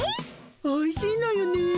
おいしいのよね。